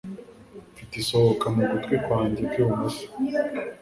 Mfite isohoka mu gutwi kwanjye kw'ibumoso.